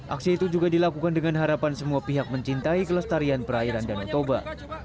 aksi itu juga dilakukan dengan harapan semua pihak mencintai kelestarian perairan danau toba